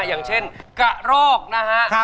อย่างเช่นกะรอกนะฮะ